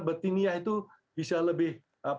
bertiniah itu bisa lebih